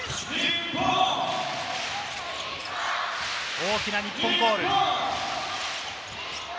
大きな日本コール。